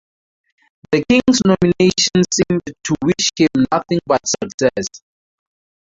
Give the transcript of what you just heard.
The king's nomination seemed to wish him nothing but success.